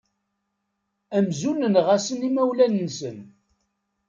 Amzun nenɣa-asen imawlan-nsen.